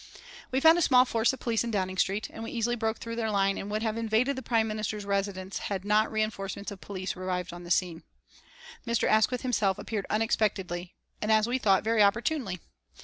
We found a small force of police in Downing Street, and we easily broke through their line and would have invaded the Prime Minister's residence had not reinforcements of police arrived on the scene. Mr. Asquith himself appeared unexpectedly, and as we thought, very opportunely.